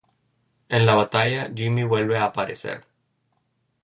En la batalla, Jimmy vuelve a aparecer.